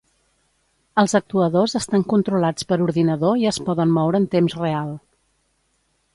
Els actuadors estan controlats per ordinador i es poden moure en temps real.